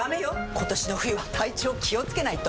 今年の冬は体調気をつけないと！